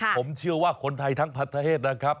ผมเชื่อว่าคนไทยทั้งประเทศนะครับ